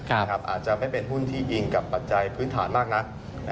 อาจจะไม่เป็นหุ้นที่อิงกับปัจจัยพื้นฐานมากนัก